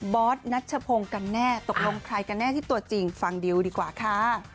อสนัชพงศ์กันแน่ตกลงใครกันแน่ที่ตัวจริงฟังดิวดีกว่าค่ะ